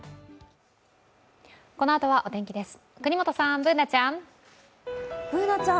このあとはお天気です。